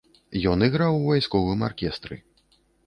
Ён іграў у вайсковым аркестры.